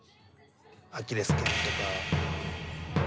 アキレス腱とか。